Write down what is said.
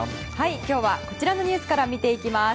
今日はこちらのニュースから見ていきます。